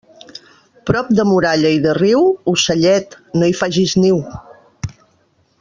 Prop de muralla i de riu, ocellet, no hi faces niu.